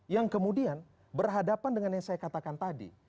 yang kemudian berhadapan dengan yang saya katakan tadi